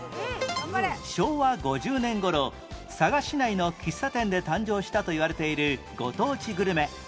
昭和５０年頃佐賀市内の喫茶店で誕生したといわれているご当地グルメ